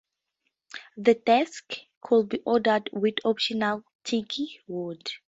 The decks could be ordered with optional teak wood.